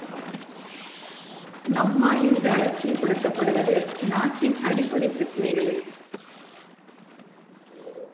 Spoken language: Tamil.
நம்மால் இன்று அலட்சியப்படுத்தப்படுவது நாட்டின் அடிப்படை பிரச்சனைகளே!